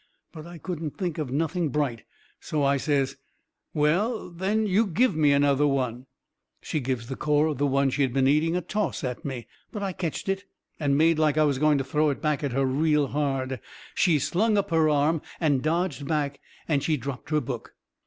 But I couldn't think of nothing bright, so I says: "Well, then, you give me another one!" She gives the core of the one she has been eating a toss at me. But I ketched it, and made like I was going to throw it back at her real hard. She slung up her arm, and dodged back, and she dropped her book.